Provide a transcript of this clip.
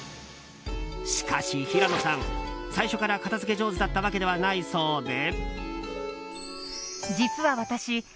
しかし、平野さん最初から片付け上手だったわけではないそうで。